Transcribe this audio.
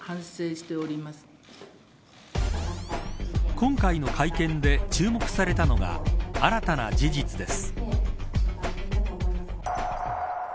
今回の会見で注目されたのが新たな事実です。